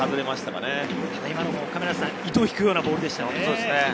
今のも糸を引くようなボールでしたね。